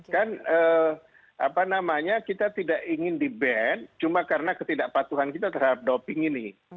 kan apa namanya kita tidak ingin di ban cuma karena ketidakpatuhan kita terhadap doping ini